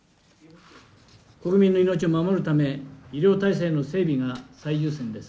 国民の命を守るため、医療体制の整備が最優先です。